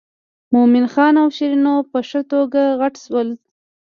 مومن خان او شیرینو په ښه توګه غټ شول.